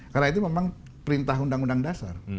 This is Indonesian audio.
karena itu memang perintah undang undang dasar